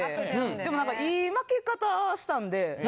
でも何かいい負け方したんで。